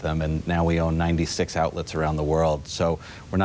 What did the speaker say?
กลุ่มที่สำคัญที่สำคัญสำคัญที่สำคัญ